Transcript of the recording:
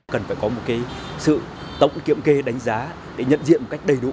cần phải có một sự tổng kiểm kê đánh giá để nhận diện một cách đầy đủ